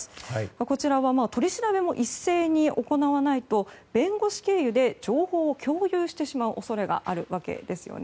こちらは取り調べも一斉に行わないと弁護士経由で情報を共有してしまう恐れがあるわけですよね。